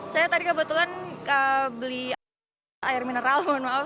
saya tadi kebetulan beli air mineral mohon maaf